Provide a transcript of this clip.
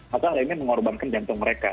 maka hal ini mengorbankan jantung mereka